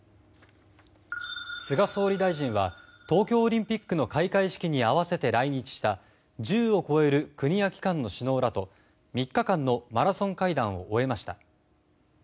菅総理大臣は東京オリンピックの開会式に合わせて来日した１０を超える国や機関の首脳らと３日間のマラソン会談を終えました。